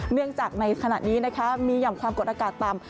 เนื่องจากในขณะนี้นะคะมีหย่อมความกดอากาศต่ำ